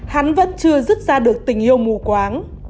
hắn vẫn chưa dứt ra được tình yêu mù quáng